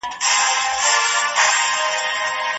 که خوب پوره وي، بدن ارام وي.